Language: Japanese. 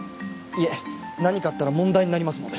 いえ何かあったら問題になりますので